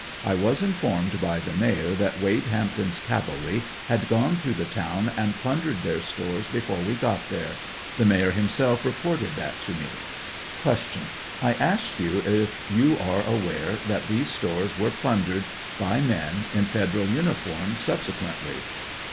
I was informed by the Mayor that Wade Hamp ton's cavalry had gone through the town and plundered their stores before we got there; the Mayor himself reported that to me. Q. I asked you if yon are aware that these stores were plundered by men in Federal uniform subse quently?